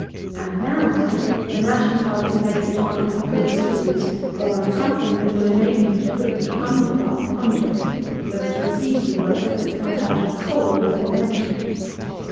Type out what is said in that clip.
And now, mind, the mashing tub is placed on a couple of stools, or on something, that will enable you to put the underbuck under it, so as to receive the wort as it comes out of the hole before mentioned.